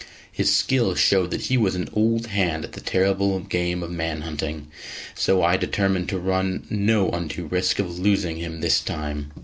His skill showed that he was an old hand at the terrible game of man hunting: so I determined to run no undue risk of losing him this time.